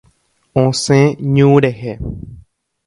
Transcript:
Osẽ ñu rehe.